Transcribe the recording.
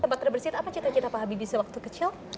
tempat terbersih apa cita cita pak habibie sewaktu kecil